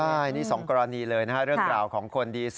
ใช่นี่๒กรณีเลยนะครับเรื่องราวของคนดี